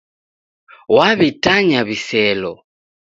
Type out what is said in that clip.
W'aw'itanya wiselo